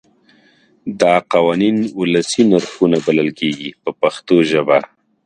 دا قوانین ولسي نرخونه بلل کېږي په پښتو ژبه.